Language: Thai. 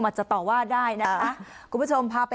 จะต่อว่าได้นะคะคุณผู้ชมพาไป